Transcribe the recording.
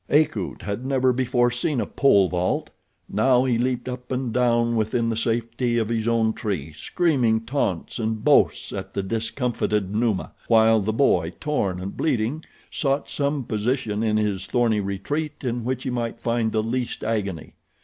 Akut had never before seen a pole vault. Now he leaped up and down within the safety of his own tree, screaming taunts and boasts at the discomfited Numa, while the boy, torn and bleeding, sought some position in his thorny retreat in which he might find the least agony.